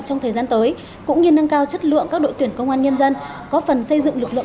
trong thời gian tới cũng như nâng cao chất lượng các đội tuyển công an nhân dân góp phần xây dựng lực lượng